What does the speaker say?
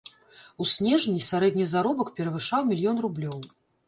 У снежні сярэдні заробак перавышаў мільён рублёў.